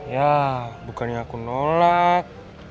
ya bukannya aku nolak